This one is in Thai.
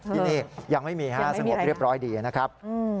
ที่นี่ยังไม่มีฮะสงบเรียบร้อยดีนะครับ